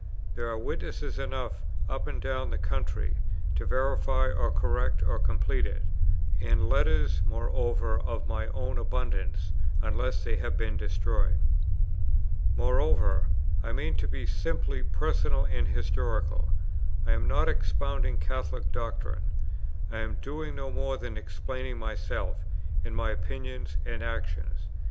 There are witnesses enough up and down the country to verify, or correct, or complete it; and letters moreover of my own in abundance, unless they have been destroyed. Moreover, I mean to be simply personal and historical: I am not expounding Catholic doctrine, I am doing no more than explaining myself, and my opinions and actions.